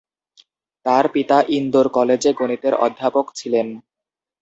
তার পিতা ইন্দোর কলেজে গণিতের অধ্যাপক ছিলেন।